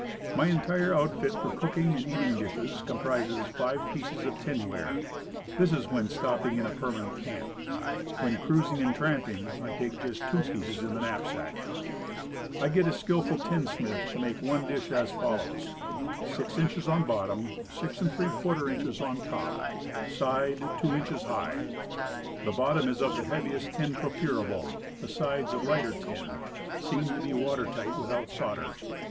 My entire outfit for cooking and eating dishes com prises five pieces of tinware. This is when stopping in a permanent camp. When cruising and tramping, 1 take just two pieces in the knapsack. I get a skillful tinsmith to make one dish as fol lows: Six inches on bottom, 6^ inches on top, side 2 inches high. The bottom is of the heaviest tin procurable, the sides of fighter tin, and seamed to be water tight without solder.